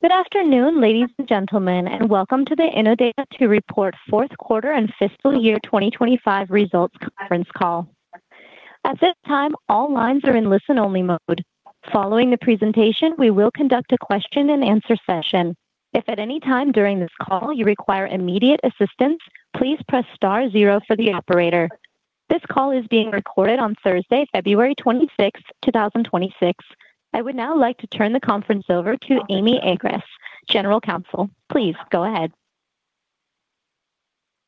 Good afternoon, ladies and gentlemen, and welcome to the Innodata to report Fourth Quarter and Fiscal Year 2025 Results Conference Call. At this time, all lines are in listen-only mode. Following the presentation, we will conduct a question-and-answer session. If at any time during this call you require immediate assistance, please press star zero for the operator. This call is being recorded on Thursday, February 26th, 2026. I would now like to turn the conference over to Amy Agress, General Counsel. Please go ahead.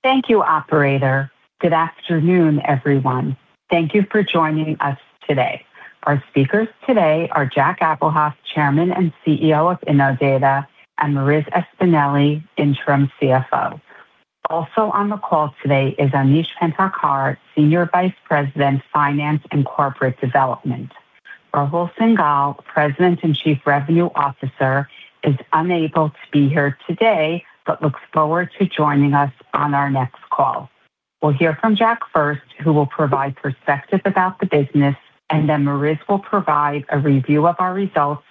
Thank you, operator. Good afternoon, everyone. Thank you for joining us today. Our speakers today are Jack Abuhoff, Chairman and CEO of Innodata, and Marissa Espineli, Interim CFO. Also on the call today is Aneesh Pendharkar, Senior Vice President, Finance and Corporate Development. Rahul Singhal, President and Chief Revenue Officer, is unable to be here today but looks forward to joining us on our next call. We'll hear from Jack first, who will provide a perspective about the business, and then Mariz will provide a review of our results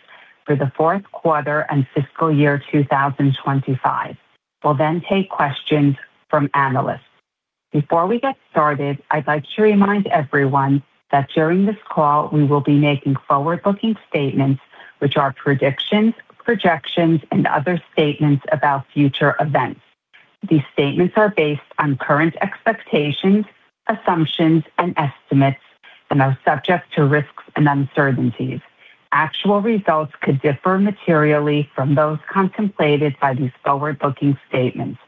for the fourth quarter and fiscal year 2025. We'll then take questions from analysts. Before we get started, I'd like to remind everyone that during this call, we will be making forward-looking statements, which are predictions, projections, and other statements about future events. These statements are based on current expectations, assumptions, and estimates, and are subject to risks and uncertainties. Actual results could differ materially from those contemplated by these forward-looking statements.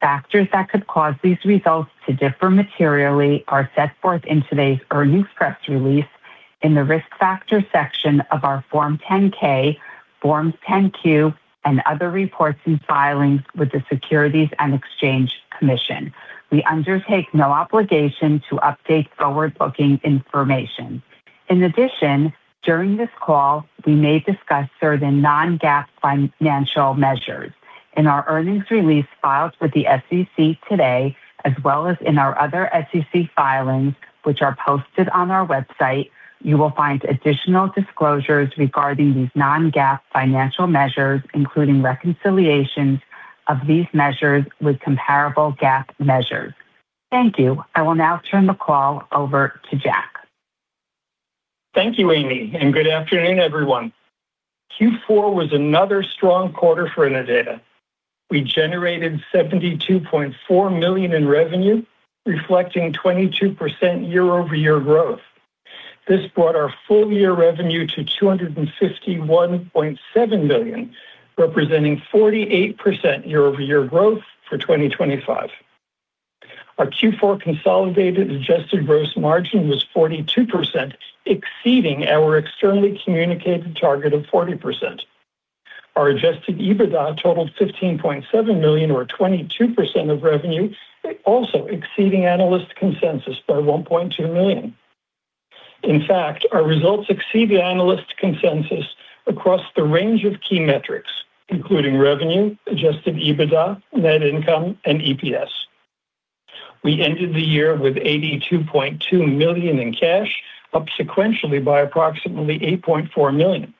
Factors that could cause these results to differ materially are set forth in today's earnings press release in the Risk Factors section of our Form 10-K, Forms 10-Q, and other reports and filings with the Securities and Exchange Commission. We undertake no obligation to update forward-looking information. In addition, during this call, we may discuss certain non-GAAP financial measures. In our earnings release filed with the SEC today, as well as in our other SEC filings, which are posted on our website, you will find additional disclosures regarding these non-GAAP financial measures, including reconciliations of these measures with comparable GAAP measures. Thank you. I will now turn the call over to Jack. Thank you, Amy, and good afternoon, everyone. Q4 was another strong quarter for Innodata. We generated $72.4 million in revenue, reflecting 22% year-over-year growth. This brought our full-year revenue to $251.7 million, representing 48% year-over-year growth for 2025. Our Q4 consolidated adjusted gross margin was 42%, exceeding our externally communicated target of 40%. Our adjusted EBITDA totaled $15.7 million or 22% of revenue, also exceeding analyst consensus by $1.2 million. In fact, our results exceed the analyst consensus across the range of key metrics, including revenue, adjusted EBITDA, net income, and EPS. We ended the year with $82.2 million in cash, up sequentially by approximately $8.4 million.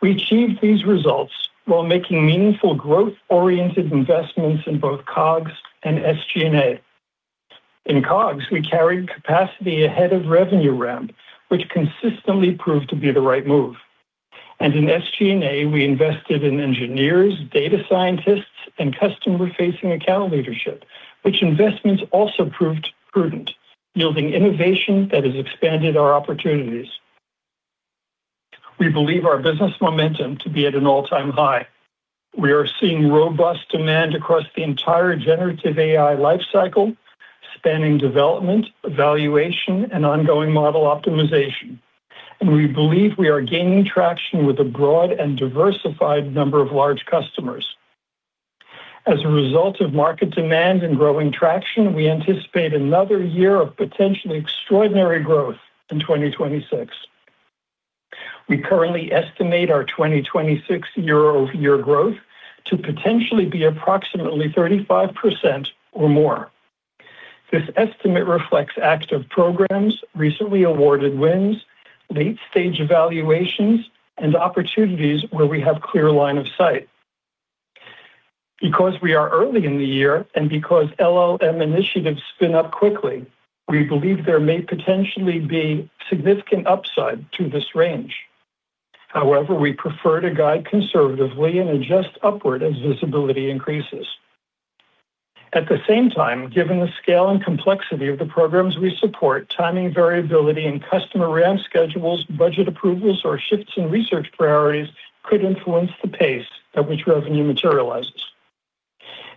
We achieved these results while making meaningful growth-oriented investments in both COGS and SG&A. In COGS, we carried capacity ahead of revenue ramp, which consistently proved to be the right move. In SG&A, we invested in engineers, data scientists, and customer-facing account leadership, which investments also proved prudent, yielding innovation that has expanded our opportunities. We believe our business momentum to be at an all-time high. We are seeing robust demand across the entire generative AI lifecycle, spanning development, evaluation, and ongoing model optimization. We believe we are gaining traction with a broad and diversified number of large customers. As a result of market demand and growing traction, we anticipate another year of potentially extraordinary growth in 2026. We currently estimate our 2026 year-over-year growth to potentially be approximately 35% or more. This estimate reflects active programs, recently awarded wins, late-stage evaluations, and opportunities where we have a clear line of sight. We are early in the year, and because LLM initiatives spin up quickly, we believe there may potentially be significant upside to this range. We prefer to guide conservatively and adjust upward as visibility increases. At the same time, given the scale and complexity of the programs we support, timing variability in customer ramp schedules, budget approvals, or shifts in research priorities could influence the pace at which revenue materializes.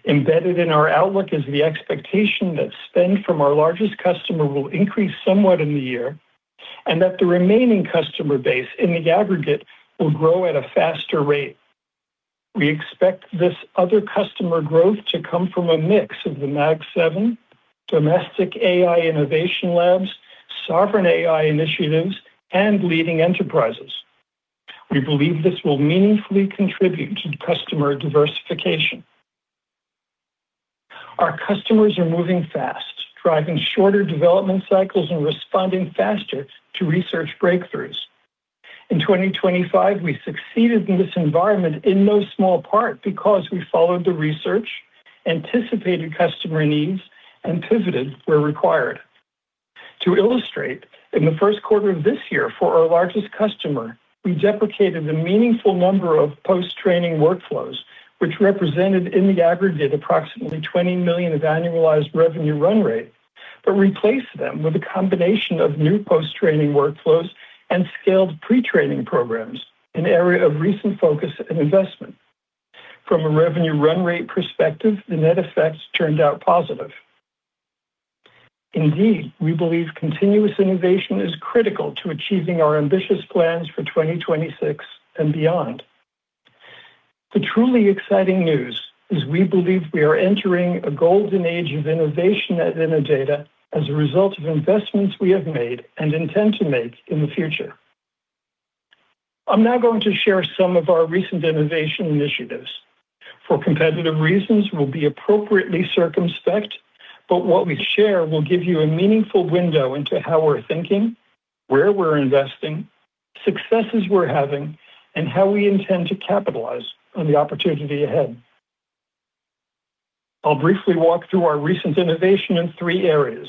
Embedded in our outlook is the expectation that spend from our largest customer will increase somewhat in the year and that the remaining customer base in the aggregate will grow at a faster rate. We expect this other customer growth to come from a mix of the Mag Seven, domestic AI innovation labs, sovereign AI initiatives, and leading enterprises. We believe this will meaningfully contribute to customer diversification. Our customers are moving fast, driving shorter development cycles and responding faster to research breakthroughs. In 2025, we succeeded in this environment in no small part because we followed the research, anticipated customer needs, and pivoted where required. To illustrate, in the first quarter of this year for our largest customer, we deprecated a meaningful number of post-training workflows, which represented in the aggregate approximately $20 million of annualized revenue run rate. Replaced them with a combination of new post-training workflows and scaled pre-training programs, an area of recent focus and investment. From a revenue run rate perspective, the net effects turned out positive. Indeed, we believe continuous innovation is critical to achieving our ambitious plans for 2026 and beyond. The truly exciting news is we believe we are entering a golden age of innovation at Innodata as a result of the investments we have made and intend to make in the future. I'm now going to share some of our recent innovation initiatives. For competitive reasons, we'll be appropriately circumspect, but what we share will give you a meaningful window into how we're thinking, where we're investing, successes we're having, and how we intend to capitalize on the opportunity ahead. I'll briefly walk through our recent innovation in three areas: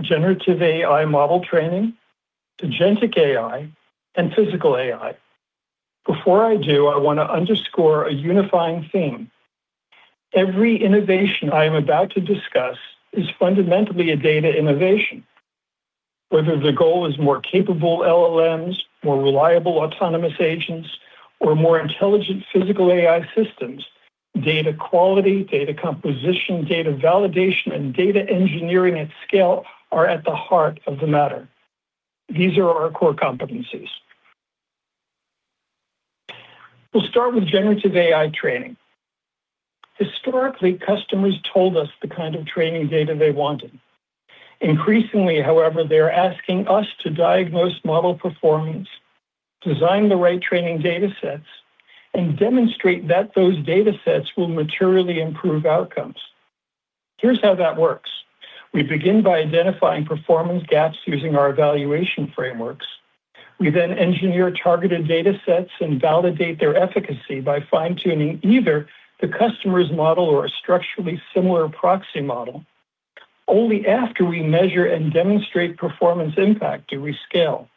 generative AI model training, agentic AI, and physical AI. Before I do, I want to underscore a unifying theme. Every innovation I am about to discuss is fundamentally a data innovation. Whether the goal is more capable LLMs, more reliable autonomous agents, or more intelligent physical AI systems, data quality, data composition, data validation, and data engineering at scale are at the heart of the matter. These are our core competencies. We'll start with generative AI training. Historically, customers told us the kind of training data they wanted. Increasingly, however, they're asking us to diagnose model performance, design the right training data sets, and demonstrate that those data sets will materially improve outcomes. Here's how that works. We begin by identifying performance gaps using our evaluation frameworks. We then engineer targeted data sets and validate their efficacy by fine-tuning either the customer's model or a structurally similar proxy model. Only after we measure and demonstrate performance impact do we scale.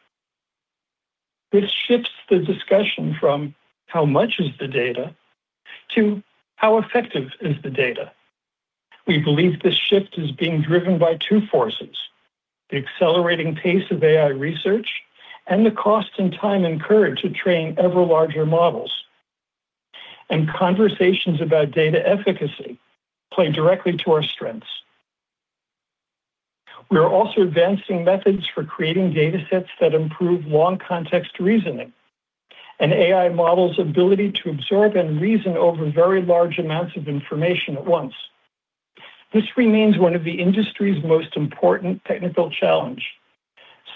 This shifts the discussion from how much is the data to how effective is the data. We believe this shift is being driven by two forces: the accelerating pace of AI research and the cost and time incurred to train ever larger models. Conversations about data efficacy play directly to our strengths. We are also advancing methods for creating data sets that improve long context reasoning, an AI model's ability to absorb and reason over very large amounts of information at once. This remains one of the industry's most important technical challenge.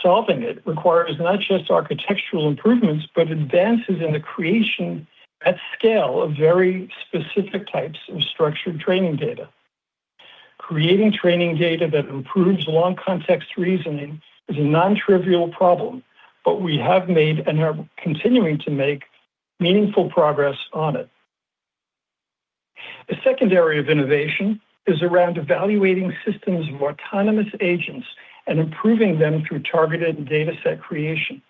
Solving it requires not just architectural improvements, but advances in the creation at scale of very specific types of structured training data. Creating training data that improves long context reasoning is a non-trivial problem, but we have made and are continuing to make meaningful progress on it. A second area of innovation is around evaluating systems of autonomous agents and improving them through targeted data set creation.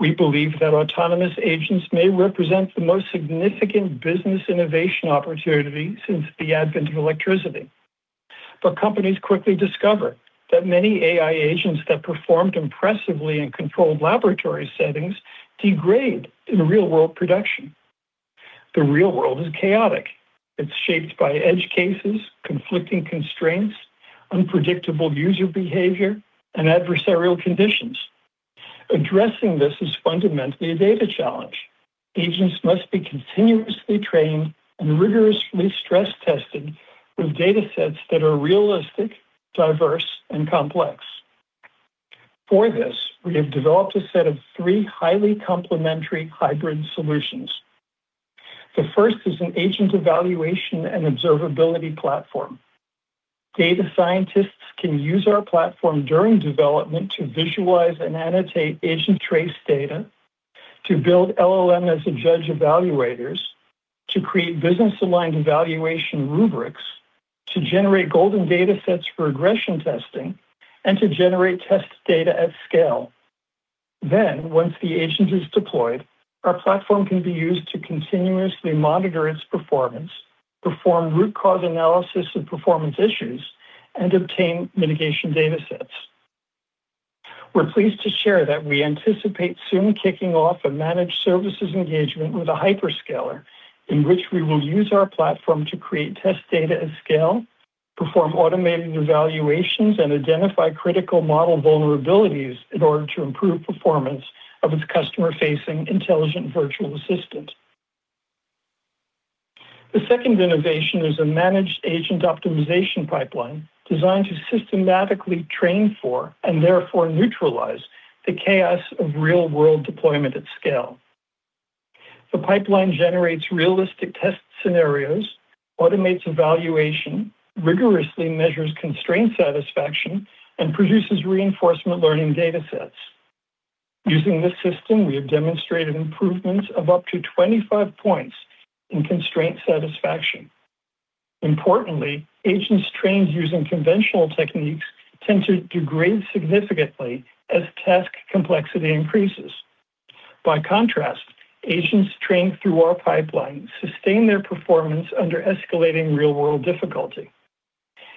We believe that autonomous agents may represent the most significant business innovation opportunity since the advent of electricity. Companies quickly discover that many AI agents that performed impressively in controlled laboratory settings degrade in real-world production. The real world is chaotic. It's shaped by edge cases, conflicting constraints, unpredictable user behavior, and adversarial conditions. Addressing this is fundamentally a data challenge. Agents must be continuously trained and rigorously stress tested with data sets that are realistic, diverse, and complex. For this, we have developed a set of 3 highly complementary hybrid solutions. The first is an agent evaluation and observability platform. Data scientists can use our platform during development to visualize and annotate agent trace data, to build LLM-as-a-Judge evaluators, to create business-aligned evaluation rubrics, to generate golden data sets for regression testing, and to generate test data at scale. Once the agent is deployed, our platform can be used to continuously monitor its performance, perform root cause analysis of performance issues, and obtain mitigation datasets. We're pleased to share that we anticipate soon kicking off a managed services engagement with a hyperscaler in which we will use our platform to create test data at scale, perform automated evaluations, and identify critical model vulnerabilities in order to improve performance of its customer-facing intelligent virtual assistant. The second innovation is a managed agent optimization pipeline designed to systematically train for and therefore neutralize the chaos of real-world deployment at scale. The pipeline generates realistic test scenarios, automates evaluation, rigorously measures constraint satisfaction, and produces reinforcement learning datasets. Using this system, we have demonstrated improvements of up to 25 points in constraint satisfaction. Importantly, agents trained using conventional techniques tend to degrade significantly as task complexity increases. By contrast, agents trained through our pipeline sustain their performance under escalating real-world difficulty.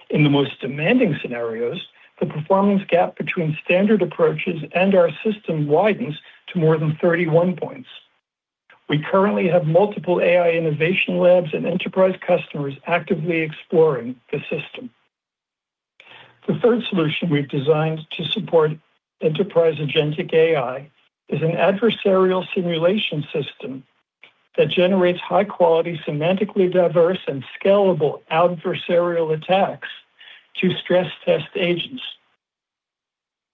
In the most demanding scenarios, the performance gap between standard approaches and our system widens to more than 31 points. We currently have multiple AI innovation labs and enterprise customers actively exploring the system. The third solution we've designed to support enterprise agentic AI is an adversarial simulation system that generates high-quality, semantically diverse, and scalable adversarial attacks to stress test agents.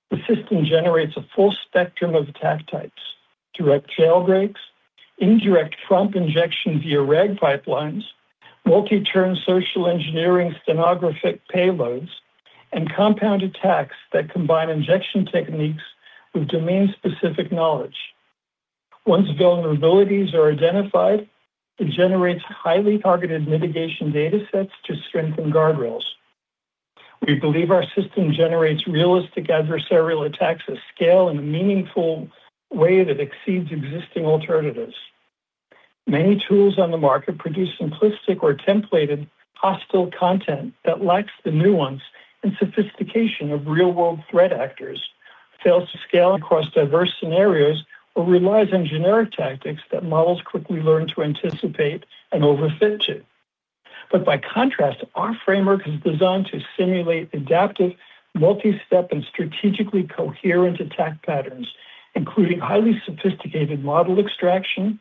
The system generates a full spectrum of attack types, direct jailbreaks, indirect prompt injection via RAG pipelines, multi-turn social engineering steganographic payloads, and compound attacks that combine injection techniques with domain-specific knowledge. Once vulnerabilities are identified, it generates highly targeted mitigation datasets to strengthen guardrails. We believe our system generates realistic adversarial attacks at scale in a meaningful way that exceeds existing alternatives. Many tools on the market produce simplistic or templated hostile content that lacks the nuance and sophistication of real-world threat actors, fails to scale across diverse scenarios, or relies on generic tactics that models quickly learn to anticipate and overfit to. By contrast, our framework is designed to simulate adaptive, multi-step, and strategically coherent attack patterns, including highly sophisticated model extraction,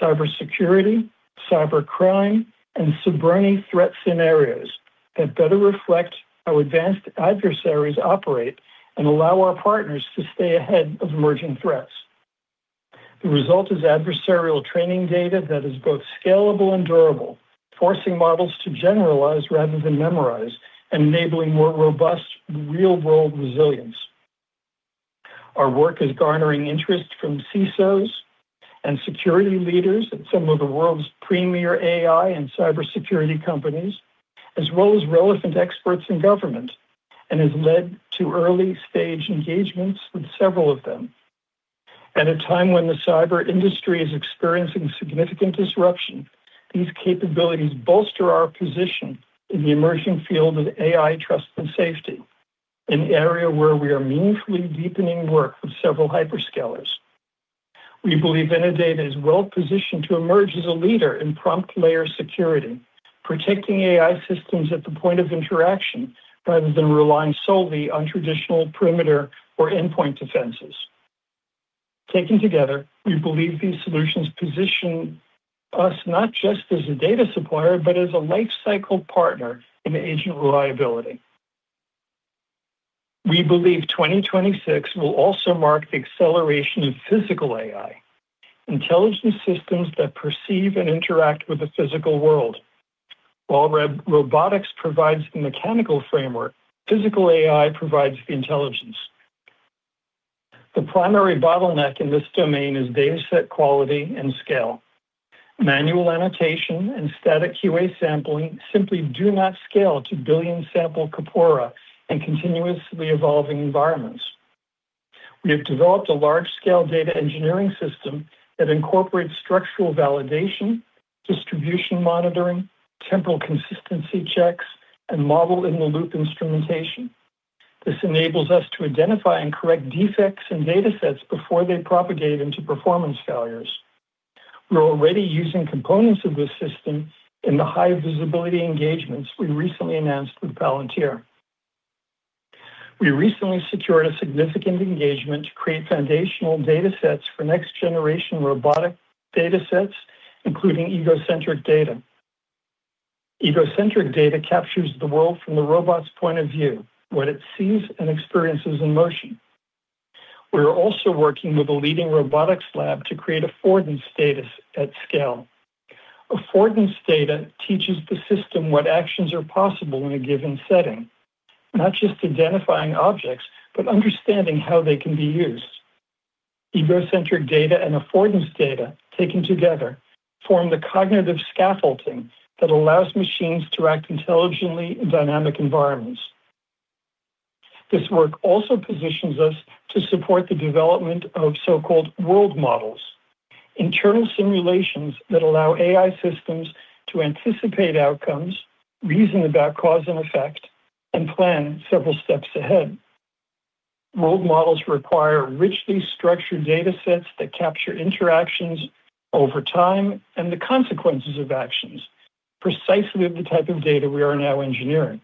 cybersecurity, cybercrime, and subprime threat scenarios that better reflect how advanced adversaries operate and allow our partners to stay ahead of emerging threats. The result is adversarial training data that is both scalable and durable, forcing models to generalize rather than memorize and enabling more robust real-world resilience. Our work is garnering interest from CISOs and security leaders at some of the world's premier AI and Cybersecurity companies, as well as relevant experts in government, and has led to early-stage engagements with several of them. At a time when the cyber industry is experiencing significant disruption, these capabilities bolster our position in the emerging field of AI trust and safety, an area where we are meaningfully deepening work with several hyperscalers. We believe Innodata is well-positioned to emerge as a leader in prompt layer security, protecting AI systems at the point of interaction rather than relying solely on traditional perimeter or endpoint defenses. Taken together, we believe these solutions position us not just as a data supplier, but as a lifecycle partner in agent reliability. We believe 2026 will also mark the acceleration of physical AI, intelligent systems that perceive and interact with the physical world. While robotics provides the mechanical framework, physical AI provides the intelligence. The primary bottleneck in this domain is dataset quality and scale. Manual annotation and static QA sampling simply do not scale to billion-sample corpora and continuously evolving environments. We have developed a large-scale data engineering system that incorporates structural validation, distribution monitoring, temporal consistency checks, and model-in-the-loop instrumentation. This enables us to identify and correct defects in datasets before they propagate into performance failures. We're already using components of this system in the high-visibility engagements we recently announced with Palantir. We recently secured a significant engagement to create foundational datasets for next-generation robotic datasets, including egocentric data. Egocentric data captures the world from the robot's point of view, what it sees and experiences in motion. We are also working with a leading robotics lab to create affordance data at scale. Affordance data teaches the system what actions are possible in a given setting, not just identifying objects, but understanding how they can be used. Egocentric data and affordance data taken together form the cognitive scaffolding that allows machines to act intelligently in dynamic environments. This work also positions us to support the development of so-called world models, internal simulations that allow AI systems to anticipate outcomes, reason about cause and effect, and plan several steps ahead. World models require richly structured datasets that capture interactions over time and the consequences of actions, precisely the type of data we are now engineering.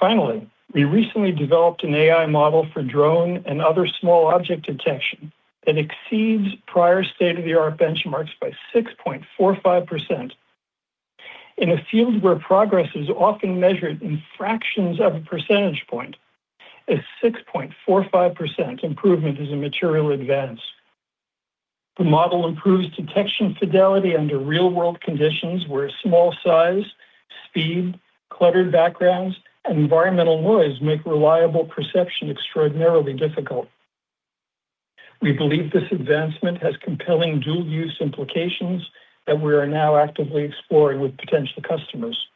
Finally, we recently developed an AI model for drone and other small object detection that exceeds prior state-of-the-art benchmarks by 6.45%. In a field where progress is often measured in fractions of a percentage point, a 6.45% improvement is a material advance. The model improves detection fidelity under real-world conditions where small size, speed, cluttered backgrounds, and environmental noise make reliable perception extraordinarily difficult. We believe this advancement has compelling dual-use implications that we are now actively exploring with potential customers.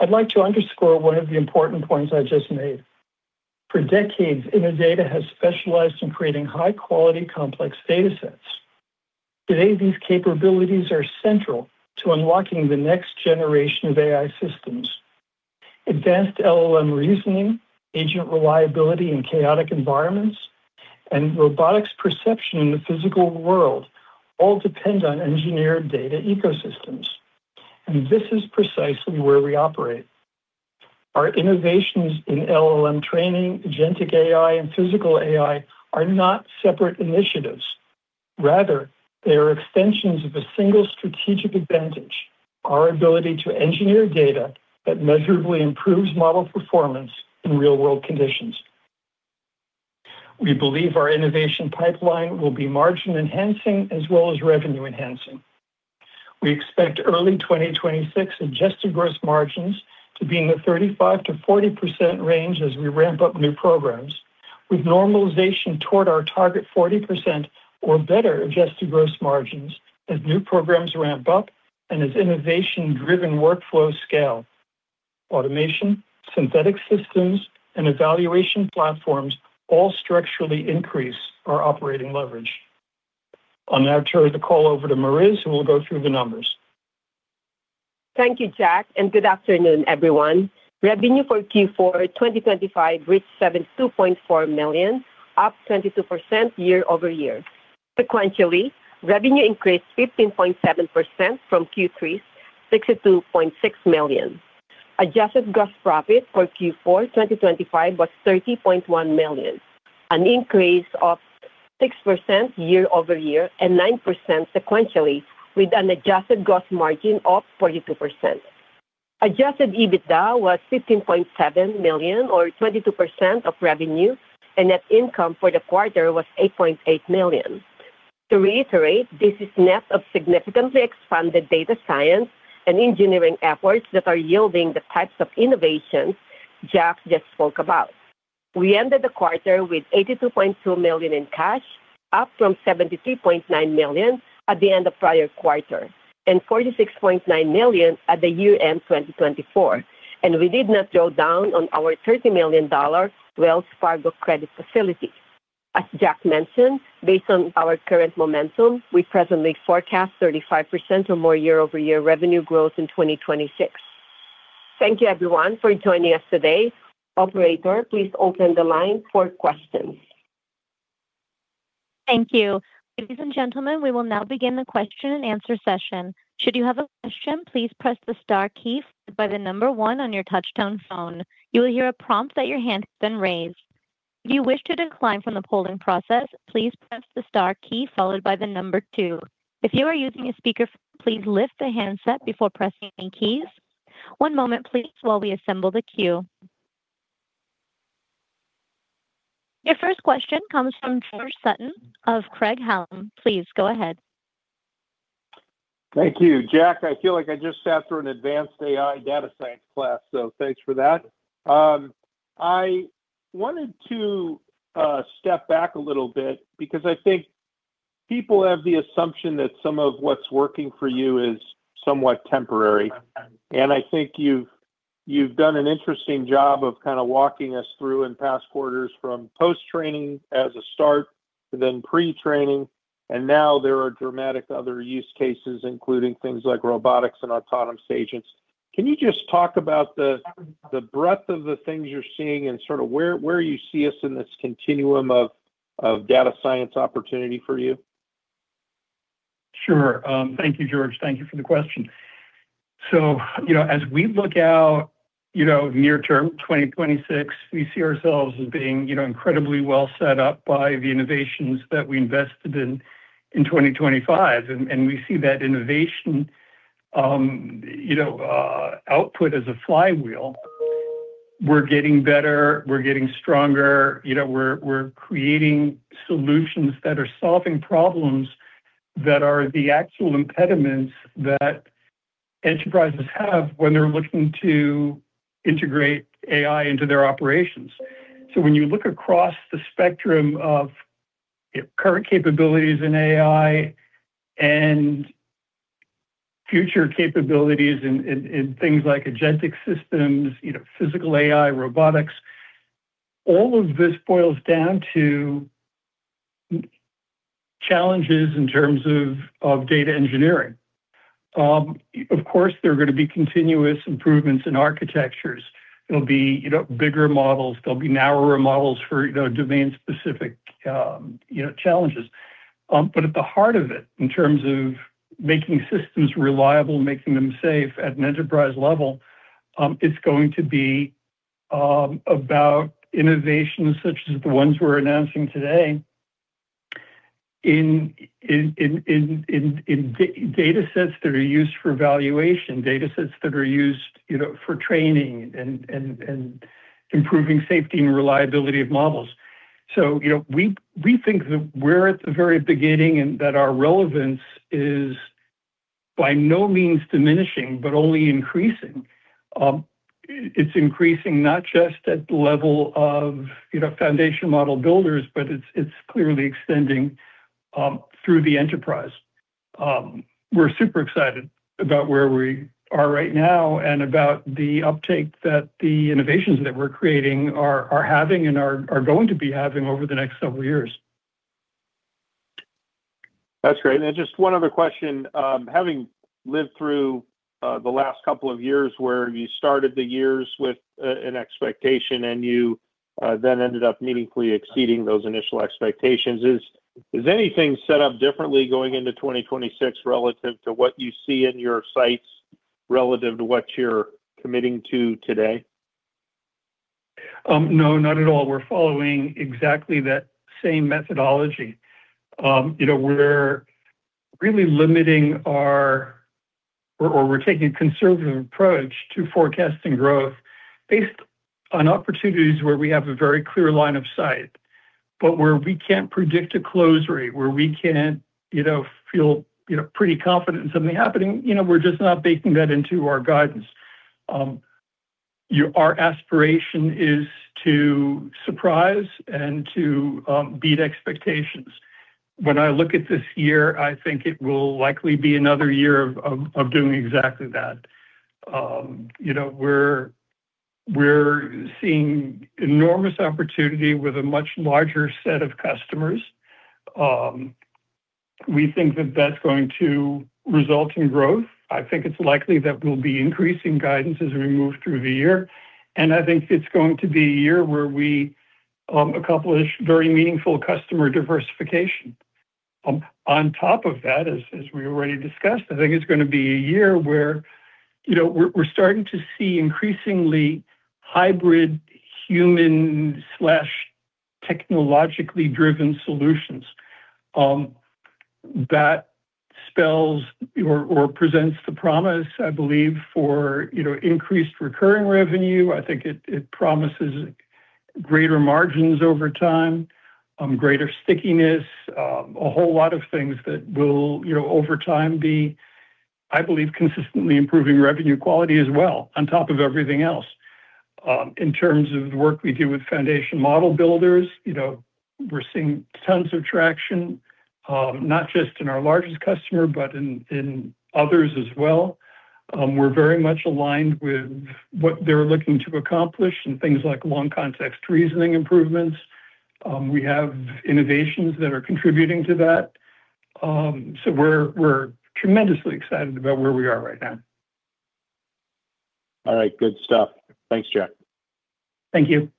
I'd like to underscore one of the important points I just made. For decades, Innodata has specialized in creating high-quality complex datasets. Today, these capabilities are central to unlocking the next generation of AI systems. Advanced LLM reasoning, agent reliability in chaotic environments, and robotics perception in the physical world all depend on engineered data ecosystems. This is precisely where we operate. Our innovations in LLM training, agentic AI, and physical AI are not separate initiatives. Rather, they are extensions of a single strategic advantage, our ability to engineer data that measurably improves model performance in real-world conditions. We believe our innovation pipeline will be margin-enhancing as well as revenue-enhancing. We expect early 2026 adjusted gross margins to be in the 35%-40% range as we ramp up new programs, with normalization toward our target 40% or better adjusted gross margins as new programs ramp up and as innovation-driven workflows scale. Automation, synthetic systems, and evaluation platforms all structurally increase our operating leverage. I'll now turn the call over to Mariz, who will go through the numbers. Thank you, Jack, and good afternoon, everyone. Revenue for Q4 2025 reached $72.4 million, up 22% year-over-year. Sequentially, revenue increased 15.7% from Q3's $62.6 million. Adjusted gross profit for Q4 2025 was $30.1 million, an increase of 6% year-over-year and 9% sequentially, with an adjusted gross margin of 42%. Adjusted EBITDA was $15.7 million or 22% of revenue, and net income for the quarter was $8.8 million. To reiterate, this is net of significantly expanded data science and engineering efforts that are yielding the types of innovations Jack just spoke about. We ended the quarter with $82.2 million in cash, up from $73.9 million at the end of prior quarter and $46.9 million at the year-end 2024. We did not draw down on our $30 million Wells Fargo credit facility. As Jack mentioned, based on our current momentum, we presently forecast 35% or more year-over-year revenue growth in 2026. Thank you everyone for joining us today. Operator, please open the line for questions. Thank you. Ladies and gentlemen, we will now begin the question-and answer-session. Should you have a question, please press the star key followed by the number one on your touchtone phone. You will hear a prompt that your hand has been raised. If you wish to decline from the polling process, please press the star key followed by the number two. If you are using a speakerphone, please lift the handset before pressing any keys. One moment please while we assemble the queue. Your first question comes from George Sutton of Craig-Hallum. Please go ahead. Thank you. Jack, I feel like I just sat through an advanced AI data science class, so thanks for that. I wanted to step back a little bit because I think people have the assumption that some of what's working for you is somewhat temporary. I think you've done an interesting job of kinda walking us through in past quarters from post-training as a start, then pre-training, and now there are dramatic other use cases, including things like robotics and autonomous agents. Can you just talk about the breadth of the things you're seeing and sort of where you see us in this continuum of data science opportunity for you? Sure. Thank you, George. Thank you for the question. You know, as we look out, you know, near term, 2026, we see ourselves as being, you know, incredibly well set up by the innovations that we invested in in 2025. We see that innovation, you know, output as a flywheel. We're getting better, we're getting stronger, you know, we're creating solutions that are solving problems that are the actual impediments that enterprises have when they're looking to integrate AI into their operations. When you look across the spectrum of current capabilities in AI and future capabilities in, in things like agentic systems, you know, physical AI, robotics, all of this boils down to challenges in terms of data engineering. Of course, there are gonna be continuous improvements in architectures. There'll be, you know, bigger models. There'll be narrower models for, you know, domain-specific, you know, challenges. At the heart of it, in terms of making systems reliable, making them safe at an enterprise level, it's going to be about innovations such as the ones we're announcing today in datasets that are used for evaluation, datasets that are used, you know, for training and improving safety and reliability of models. You know, we think that we're at the very beginning and that our relevance is by no means diminishing, but only increasing. It's increasing not just at the level of, you know, foundation model builders, but it's clearly extending through the enterprise. We're super excited about where we are right now and about the uptake that the innovations that we're creating are having and are going to be having over the next several years. That's great. Then just one other question. Having lived through the last couple of years where you started the years with an expectation and you then ended up meaningfully exceeding those initial expectations, is anything set up differently going into 2026 relative to what you see in your sites relative to what you're committing to today? No, not at all. We're following exactly that same methodology. You know, we're really limiting our, or we're taking a conservative approach to forecasting growth based on opportunities where we have a very clear line of sight. Where we can't predict a close rate, where we can't, you know, feel, you know, pretty confident in something happening, you know, we're just not baking that into our guidance. Our aspiration is to surprise and to beat expectations. When I look at this year, I think it will likely be another year of doing exactly that. You know, we're seeing enormous opportunity with a much larger set of customers. We think that that's going to result in growth. I think it's likely that we'll be increasing guidance as we move through the year. I think it's going to be a year where we accomplish very meaningful customer diversification. On top of that, as we already discussed, I think it's gonna be a year where, you know, we're starting to see increasingly hybrid human/technologically driven solutions that spells or presents the promise, I believe, for, you know, increased recurring revenue. I think it promises greater margins over time, greater stickiness, a whole lot of things that will, you know, over time be, I believe, consistently improving revenue quality as well on top of everything else. In terms of the work we do with foundation model builders, you know, we're seeing tons of traction, not just in our largest customer, but in others as well. We're very much aligned with what they're looking to accomplish in things like long context reasoning improvements. We have innovations that are contributing to that. We're tremendously excited about where we are right now. All right. Good stuff. Thanks, Jack. Thank you.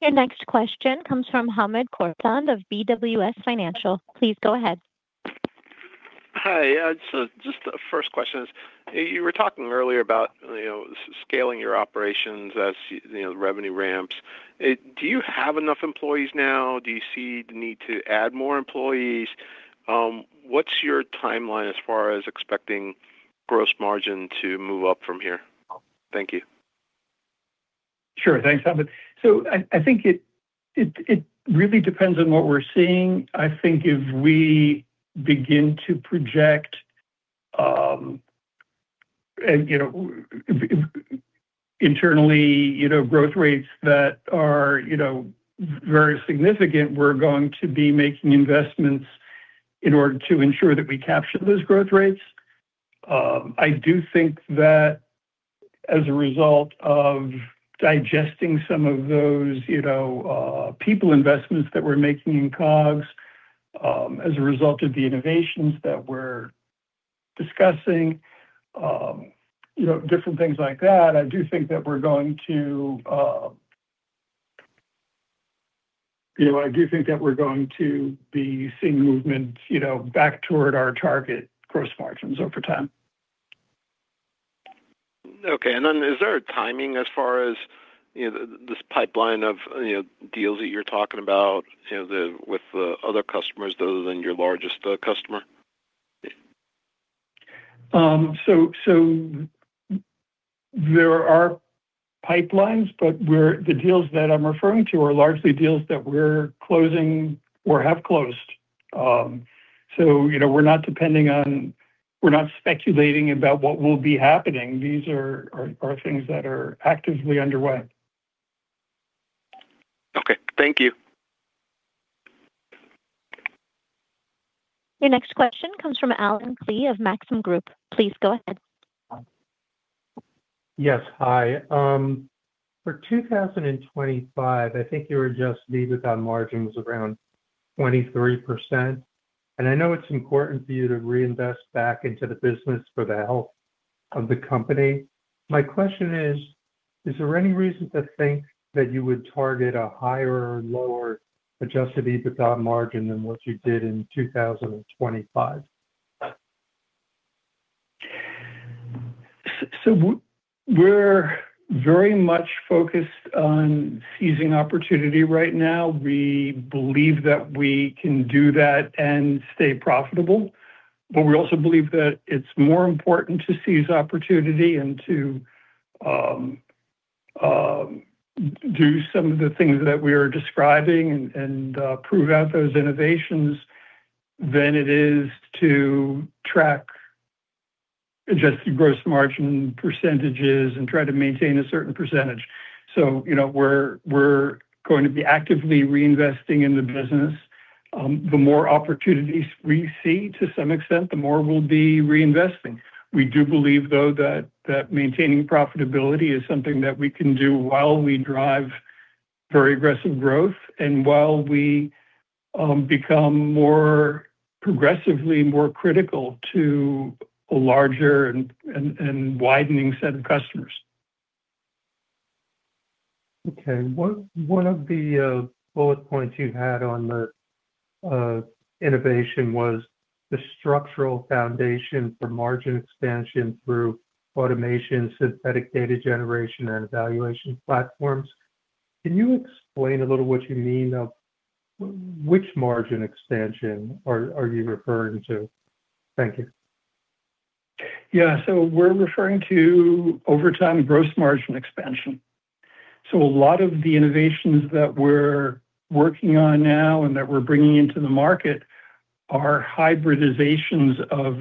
Your next question comes from Hamed Khorsand of BWS Financial. Please go ahead. Hi. Yeah. Just the first question is, you were talking earlier about, you know, scaling your operations as you know, the revenue ramps. Do you have enough employees now? Do you see the need to add more employees? What's your timeline as far as expecting gross margin to move up from here? Thank you. Sure. Thanks, Hamed. I think it really depends on what we're seeing. I think if we begin to project, and, you know, internally, you know, growth rates that are, you know, very significant, we're going to be making investments in order to ensure that we capture those growth rates. I do think that as a result of digesting some of those, you know, people investments that we're making in COGS, as a result of the innovations that we're discussing, you know, different things like that, I do think that we're going to, you know, I do think that we're going to be seeing movement, you know, back toward our target gross margins over time. Okay. Then is there a timing as far as, you know, this pipeline of, you know, deals that you're talking about, you know, with the other customers other than your largest customer? There are pipelines, but the deals that I'm referring to are largely deals that we're closing or have closed. You know, we're not depending on we're not speculating about what will be happening. These are things that are actively underway. Okay. Thank you. Your next question comes from Allen Klee of Maxim Group. Please go ahead. Yes. Hi. For 2025, I think you were just leading on margins around 23%. I know it's important for you to reinvest back into the business for the health of the company. My question is there any reason to think that you would target a higher or lower adjusted EBITDA margin than what you did in 2025? We're very much focused on seizing opportunity right now. We believe that we can do that and stay profitable. We also believe that it's more important to seize opportunity and to do some of the things that we are describing and prove out those innovations than it is to track adjusted gross margin percentages and try to maintain a certain percentage. You know, we're going to be actively reinvesting in the business. The more opportunities we see to some extent, the more we'll be reinvesting. We do believe, though, that maintaining profitability is something that we can do while we drive very aggressive growth and while we become more progressively more critical to a larger and widening set of customers. Okay. One of the bullet points you had on the innovation was the structural foundation for margin expansion through automation, synthetic data generation, and evaluation platforms. Can you explain a little what you mean of which margin expansion are you referring to? Thank you. Yeah. We're referring to, over time, gross margin expansion. A lot of the innovations that we're working on now and that we're bringing into the market are hybridizations of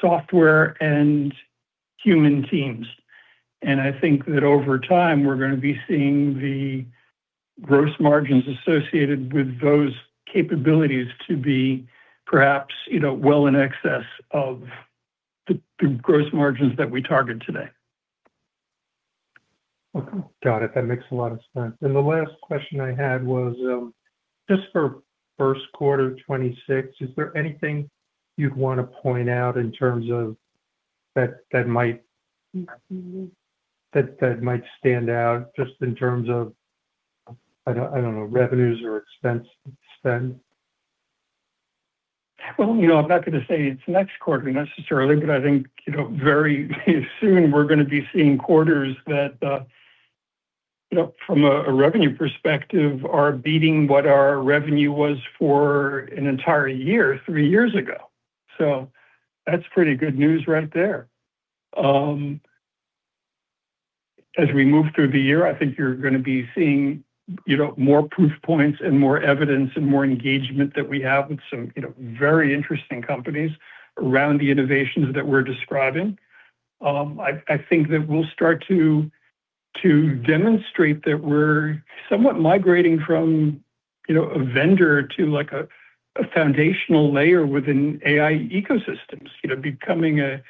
software and human teams. I think that over time, we're gonna be seeing the gross margins associated with those capabilities to be perhaps, you know, well in excess of the gross margins that we target today. Okay. Got it. That makes a lot of sense. The last question I had was just for first quarter 2026, is there anything you'd wanna point out in terms of that might stand out just in terms of, I don't know, revenues or expense spend? Well, you know, I'm not gonna say it's next quarter necessarily, but I think, you know, very soon we're gonna be seeing quarters that, you know, from a revenue perspective are beating what our revenue was for an entire year, three years ago. That's pretty good news right there. As we move through the year, I think you're gonna be seeing, you know, more proof points and more evidence and more engagement that we have with some, you know, very interesting companies around the innovations that we're describing. I think that we'll start to demonstrate that we're somewhat migrating from, you know, a vendor to, like, a foundational layer within AI ecosystems. You know, becoming a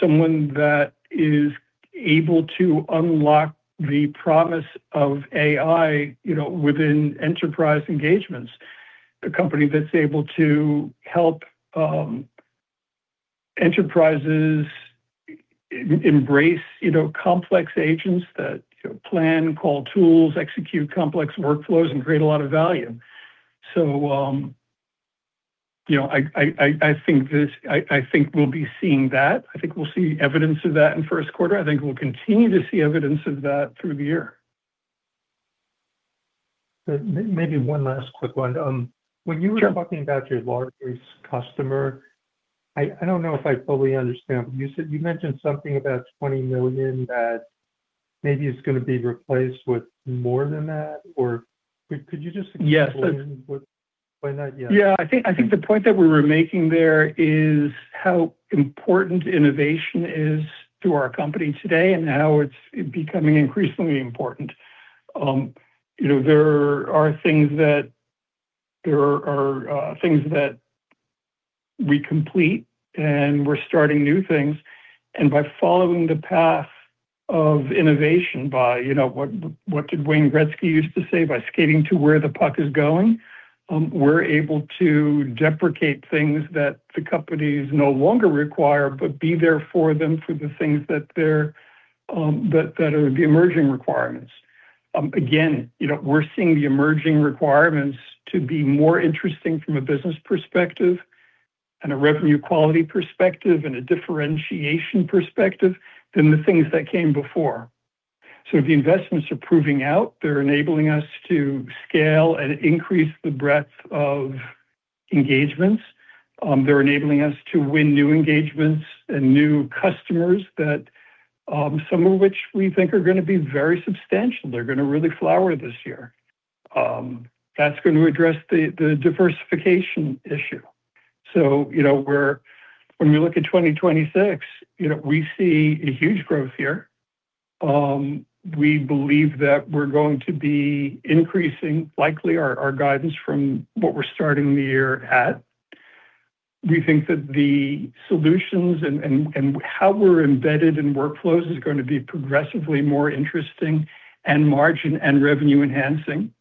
someone that is able to unlock the promise of AI, you know, within enterprise engagements. A company that's able to help, enterprises embrace, you know, complex agents that plan, call tools, execute complex workflows, and create a lot of value. You know, I think we'll be seeing that. I think we'll see evidence of that in first quarter. I think we'll continue to see evidence of that through the year. Maybe one last quick one. Were talking about your largest customer, I don't know if I fully understand. You said you mentioned something about $20 million that maybe is gonna be replaced with more than that? Could you just explain why that. Yeah. Yeah. I think, I think the point that we were making there is how important innovation is to our company today and how it's becoming increasingly important. you know, there are things that we complete, and we're starting new things. By following the path of innovation by, you know, what did Wayne Gretzky used to say? By skating to where the puck is going, we're able to deprecate things that the companies no longer require, but be there for them for the things that they're, that are the emerging requirements. again, you know, we're seeing the emerging requirements to be more interesting from a business perspective and a revenue quality perspective and a differentiation perspective than the things that came before. The investments are proving out. They're enabling us to scale and increase the breadth of engagements. They're enabling us to win new engagements and new customers that some of which we think are gonna be very substantial. They're gonna really flower this year. That's gonna address the diversification issue. You know, when we look at 2026, you know, we see a huge growth year. We believe that we're going to be increasing likely our guidance from what we're starting the year at. We think that the solutions and how we're embedded in workflows is gonna be progressively more interesting and margin and revenue-enhancing.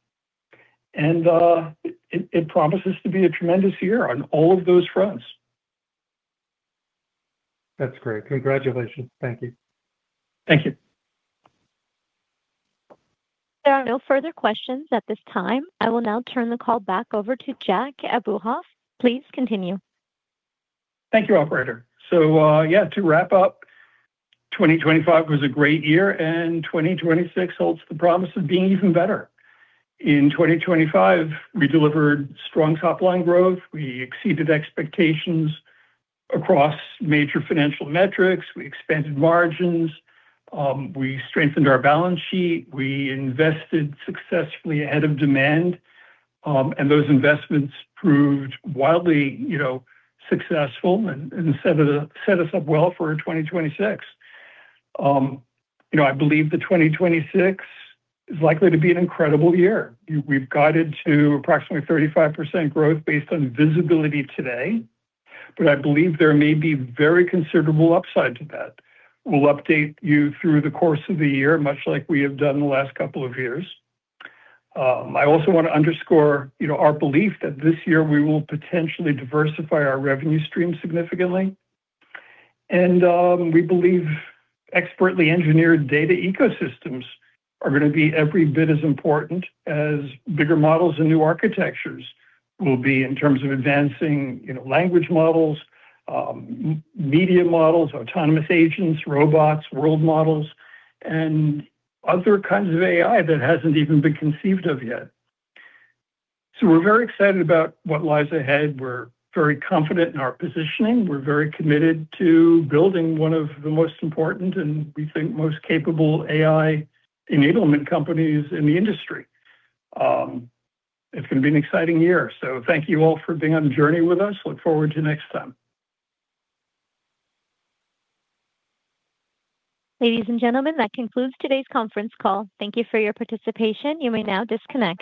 It promises to be a tremendous year on all of those fronts. That's great. Congratulations. Thank you. Thank you. There are no further questions at this time. I will now turn the call back over to Jack Abuhoff. Please continue. Thank you, operator. Yeah, to wrap up, 2025 was a great year. 2026 holds the promise of being even better. In 2025, we delivered strong top-line growth. We exceeded expectations across major financial metrics. We expanded margins. We strengthened our balance sheet. We invested successfully ahead of demand. Those investments proved wildly, you know, successful and set us up well for 2026. You know, I believe that 2026 is likely to be an incredible year. We've guided to approximately 35% growth based on visibility today. I believe there may be very considerable upside to that. We'll update you through the course of the year, much like we have done the last couple of years. I also wanna underscore, you know, our belief that this year we will potentially diversify our revenue stream significantly. We believe expertly engineered data ecosystems are gonna be every bit as important as bigger models and new architectures will be in terms of advancing, you know, language models, media models, autonomous agents, robots, world models, and other kinds of AI that hasn't even been conceived of yet. We're very excited about what lies ahead. We're very confident in our positioning. We're very committed to building one of the most important, and we think, most capable AI enablement companies in the industry. It's gonna be an exciting year. Thank you all for being on the journey with us. Look forward to next time. Ladies and gentlemen, that concludes today's conference call. Thank you for your participation. You may now disconnect.